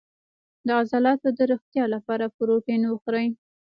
د عضلاتو د روغتیا لپاره پروتین وخورئ